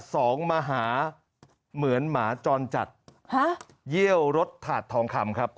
สองมหาเหมือนหมาจรจัดฮะเยี่ยวรถถาดทองคำครับ